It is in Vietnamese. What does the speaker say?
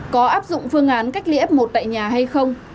có áp dụng phương án cách ly f một tại nhà hay không